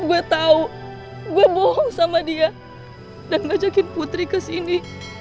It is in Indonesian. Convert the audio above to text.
gue tau gue bohong sama dia dan ngajakin putri ke sini